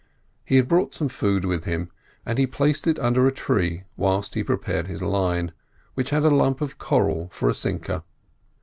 He had brought some food with him, and he placed it under a tree whilst he prepared his line, which had a lump of coral for a sinker.